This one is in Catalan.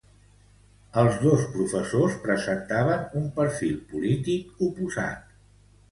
Els dos professors presentaven un perfil polític oposat.